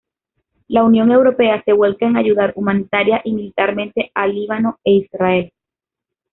La Unión Europea se vuelca en ayudar humanitaria y militarmente a Líbano e Israel.